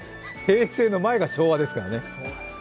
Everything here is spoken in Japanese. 平成の前が昭和ですからね。